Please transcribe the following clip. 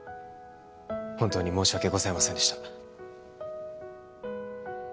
本当に申し訳ございませんでした